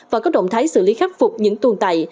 và có động thái xử lý khắc phục những tồn tại